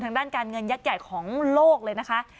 ทางด้านการเงินยักษ์ใหญ่ของโลกเลยนะคะ